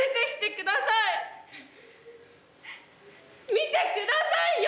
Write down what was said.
見てくださいよ！